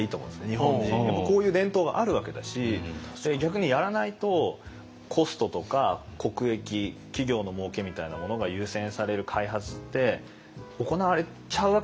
日本もこういう伝統があるわけだし逆にやらないとコストとか国益企業のもうけみたいなものが優先される開発って行われちゃうわけですよ。